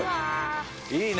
いいね！